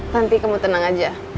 nanti kamu tenang aja